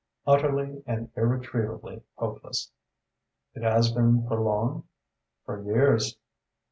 "Utterly and irretrievably hopeless." "It has been for long?" "For years."